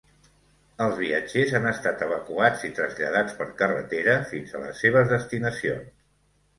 Els viatgers han estat evacuats i traslladats per carretera fins a les seves destinacions.